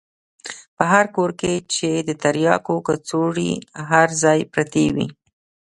په هر کور کښې د ترياکو کڅوړې هر ځاى پرتې وې.